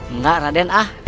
enggak raden ah